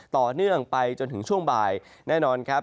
ต่อเนื่องไปจนถึงช่วงบ่ายแน่นอนครับ